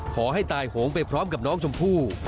ขอให้ตายโหงไปพร้อมกับน้องชมพู่